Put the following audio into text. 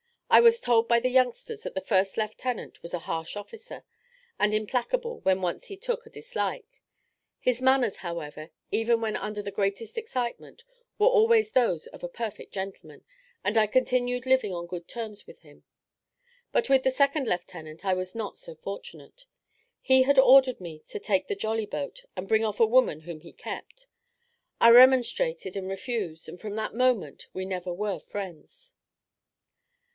I was told by the youngsters that the first lieutenant was a harsh officer, and implacable when once he took a dislike; his manners, however, even when under the greatest excitement, were always those of a perfect gentleman, and I continued living on good terms with him. But with the second lieutenant I was not so fortunate. He had ordered me to take the jolly boat and bring off a woman whom he kept; I remonstrated and refused, and from that moment we never were friends.